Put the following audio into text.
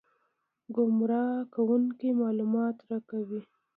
ګمراه کوونکي معلومات راکوي.